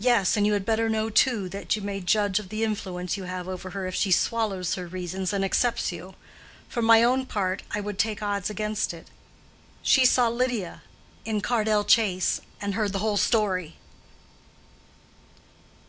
"Yes, and you had better know too, that you may judge of the influence you have over her if she swallows her reasons and accepts you. For my own part I would take odds against it. She saw Lydia in Cardell Chase and heard the whole story."